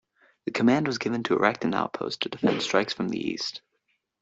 The command was given to erect an outpost to defend strikes from the east.